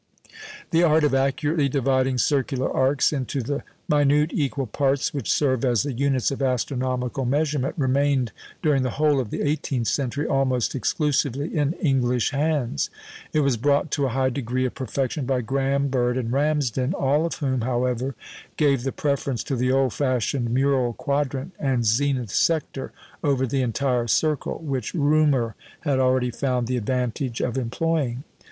The art of accurately dividing circular arcs into the minute equal parts which serve as the units of astronomical measurement, remained, during the whole of the eighteenth century, almost exclusively in English hands. It was brought to a high degree of perfection by Graham, Bird and Ramsden, all of whom, however, gave the preference to the old fashioned mural quadrant and zenith sector over the entire circle, which Römer had already found the advantage of employing.